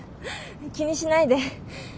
気にしないで。